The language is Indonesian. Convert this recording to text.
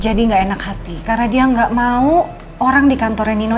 jadi enggak enak hati karena dia nggak mau orang di kantori nino